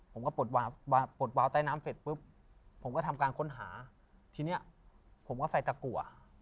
ผมก็ปลดวาวใต้น้ำเสร็จปุ๊บผมก็ทำการค้นหา